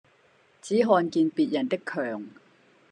只看見別人的强